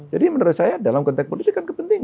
jadi menurut saya dalam konteks politik kan kepentingan